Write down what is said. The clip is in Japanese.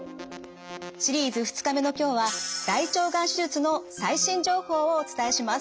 シリーズ２日目の今日は大腸がん手術の最新情報をお伝えします。